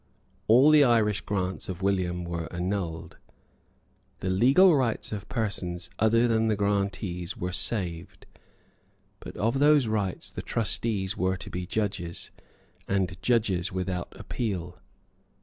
All the Irish grants of William were annulled. The legal rights of persons other than the grantees were saved. But of those rights the trustees were to be judges, and judges without appeal.